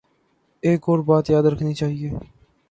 ایک اور بات یاد رکھنی چاہیے۔